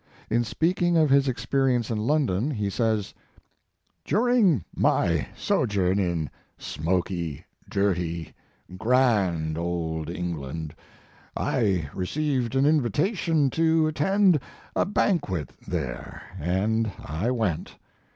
In speaking of his experience in Lon don he says : "During my sojourn in smoky, dirty, grand old London, I received an invita tion to attend a banquet there and I went.